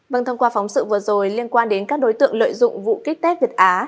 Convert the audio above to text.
vâng thông qua phóng sự vừa rồi liên quan đến các đối tượng lợi dụng vụ kích tết việt á